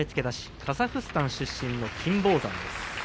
カザフスタン出身の金峰山です。